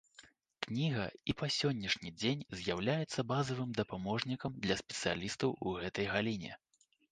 Кніга і па сённяшні дзень з'яўляецца базавым дапаможнікам для спецыялістаў у гэтай галіне.